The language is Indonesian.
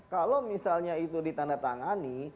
kalau misalnya itu ditandatangani